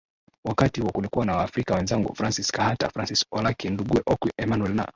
wakati huo kulikuwa na Waafrika wenzangu Francis Kahata Francis Olaki nduguye Okwi Emmanuel na